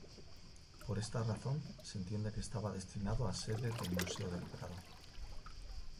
Por esta razón, se entiende que estaba destinado a sede del Museo del Prado.